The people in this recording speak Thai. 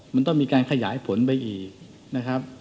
มันต้องมีการขยายผลไปอีก